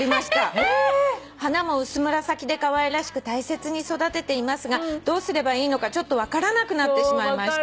「花も薄紫でかわいらしく大切に育てていますがどうすればいいのかちょっと分からなくなってしまいました」